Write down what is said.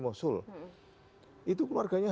mosul itu keluarganya